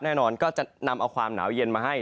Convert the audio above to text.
แน่นอนก็จะนำเอาความหนาวเย็นมาให้